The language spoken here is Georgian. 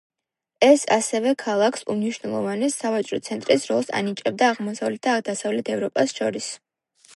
ეს ასევე ქალაქს უმნიშვნელოვანეს სავაჭრო ცენტრის როლს ანიჭებდა აღმოსავლეთ და დასავლეთ ევროპას შორის.